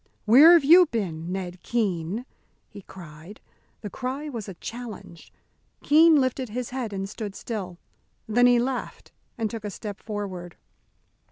"Where have you been, Ned Keene?" he cried. The cry was a challenge. Keene lifted his head and stood still. Then he laughed and took a step forward.